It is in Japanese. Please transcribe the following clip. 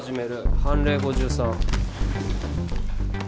判例５３。